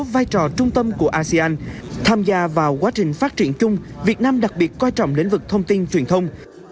vai trò trung tâm của asean